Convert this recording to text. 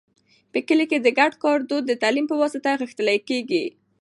په کلي کې د ګډ کار دود د تعلیم په واسطه غښتلی کېږي.